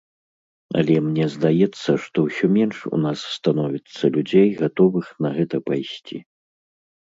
Але мне здаецца, што ўсё менш у нас становіцца людзей, гатовых на гэта пайсці.